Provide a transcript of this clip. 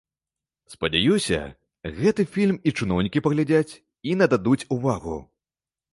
Спадзяюся, гэты фільм і чыноўнікі паглядзяць, і нададуць увагу.